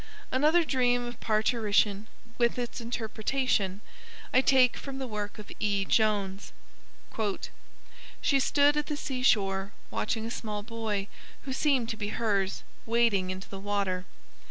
Another dream of parturition, with its interpretation, I take from the work of E. Jones. _"She stood at the seashore watching a small boy, who seemed to be hers, wading into the water.